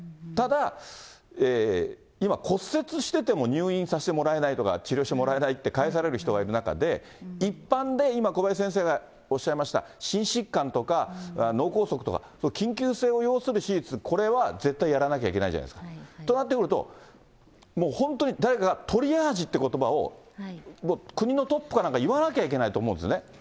ただ、今、骨折してても入院させてもらえないとか、治療してもらえないって帰される人がいる中で、一般で今、小林先生がおっしゃいました心疾患とか、脳梗塞とか、緊急性を要する手術、これは絶対やらなきゃいけないです。となってくると、もう本当に誰かがトリアージということばを、国のトップかなんか言わなきゃいけないと思うんですね。